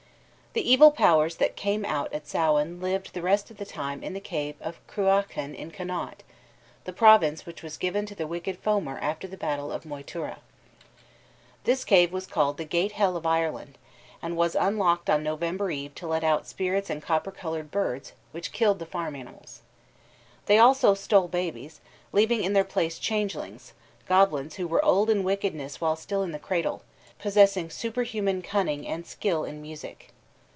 The evil powers that came out at Samhain lived the rest of the time in the cave of Cruachan in Connaught, the province which was given to the wicked Fomor after the battle of Moytura. This cave was called the "hell gate of Ireland," and was unlocked on November Eve to let out spirits and copper colored birds which killed the farm animals. They also stole babies, leaving in their place changelings, goblins who were old in wickedness while still in the cradle, possessing superhuman cunning and skill in music.